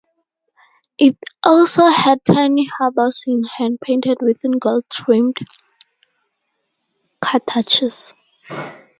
It also had tiny harbor scene hand painted within gold-trimmed cartouches.